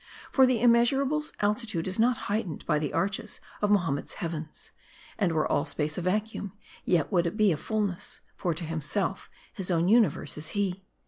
For the Immeasurable's altitude is not heightened by the arches of Mahomet's heavens ; and were all space a vacuum, yet would it be a fullness ; for to Himself His own universe is He.